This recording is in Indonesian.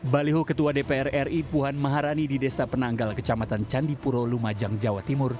baliho ketua dpr ri puan maharani di desa penanggal kecamatan candipuro lumajang jawa timur